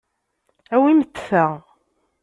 Awimt ta.